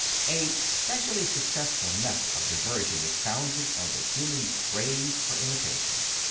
... A specially successful method of diversion is founded on the human craze for imitation.